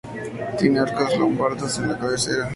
Tiene arcos lombardos en la cabecera.